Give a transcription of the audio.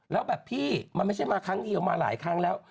แล้วแบบพี่มันไม่ใช่มาครั้งเดียวมาหลายครั้งแล้ว